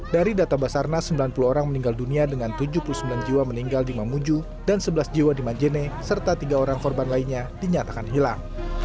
dari data basarnas sembilan puluh orang meninggal dunia dengan tujuh puluh sembilan jiwa meninggal di mamuju dan sebelas jiwa di majene serta tiga orang korban lainnya dinyatakan hilang